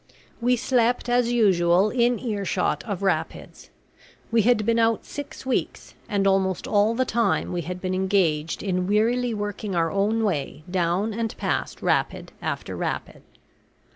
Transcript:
We slept as usual in earshot of rapids. We had been out six weeks, and almost all the time we had been engaged in wearily working our own way down and past rapid after rapid.